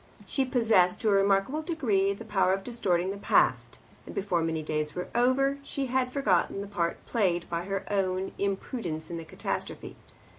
She possessed to a remarkable degree the power of distorting the past, and before many days were over she had forgotten the part played by her own imprudence in the catastrophe.